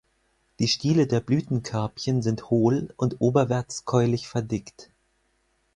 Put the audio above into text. Die Stiele der Blütenkörbchen sind hohl und oberwärts keulig verdickt.